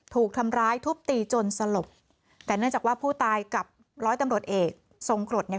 ถูกทำร้ายทุบตีจนสลบแต่เนื่องจากว่าผู้ตายกับร้อยตำรวจเอกทรงกรดเนี่ย